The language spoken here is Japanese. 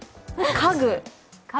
家具？